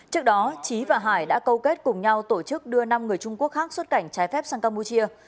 trước đó trí và hải đã câu kết cùng nhau tổ chức đưa năm người trung quốc khác xuất cảnh trái phép sang campuchia